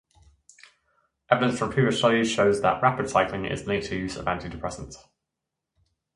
Evidence from previous studies shows that rapid cycling is linked to use of antidepressants.